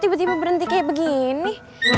tiba tiba berhenti kayak begini